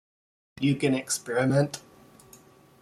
You can experiment.